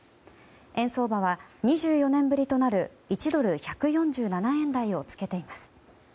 円相場は、２４年ぶりとなる１ドル＝１４７円台をつけています。